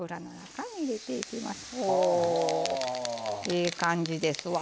ええ感じですわ。